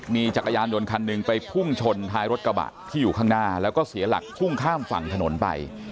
มีจักรยานยนต์คันหนึ่งไปพุ่งชนท้ายรถกระบะที่อยู่ข้างหน้าแล้วก็เสียหลักพุ่งข้ามฝั่งถนนไป